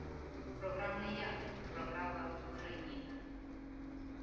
Програв не я. Програла Україна…